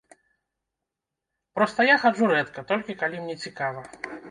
Проста я хаджу рэдка, толькі калі мне цікава.